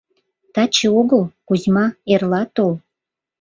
— Таче огыл, Кузьма, эрла тол.